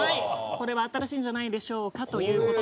これは新しいんじゃないでしょうかという事ですね。